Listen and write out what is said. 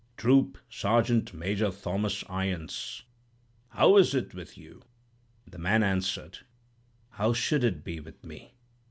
"'Troop Sergeant Major Thomas Irons, how is it with you?' "The man answered, 'How should it be with me?